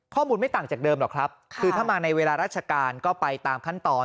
ไม่ต่างจากเดิมหรอกครับคือถ้ามาในเวลาราชการก็ไปตามขั้นตอน